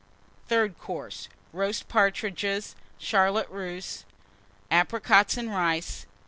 THIRD COURSE. Roast Partridges. Charlotte Russe. Apricots and Rice.